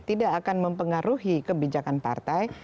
tidak akan mempengaruhi kebijakan partai